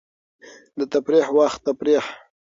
د تفریح وخت تفریح.